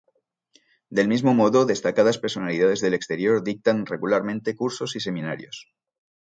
Del mismo modo, destacadas personalidades del exterior dictan regularmente cursos y seminarios.